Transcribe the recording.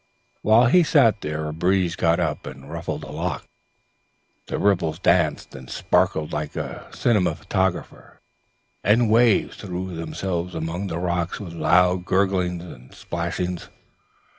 While he sat there a breeze got up and ruffled the loch; the ripples danced and sparkled like a cinematograph, and waves threw themselves among the rocks with loud gurglings and splashings.